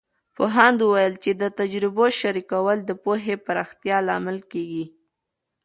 پوهاند وویل چې د تجربو شریکول د پوهې پراختیا لامل کیږي.